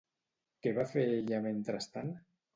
Què va fer ella mentrestant?